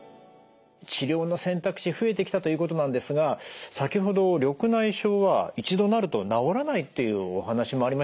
治療の選択肢増えてきたということなんですが先ほど緑内障は一度なると治らないというお話もありましたけど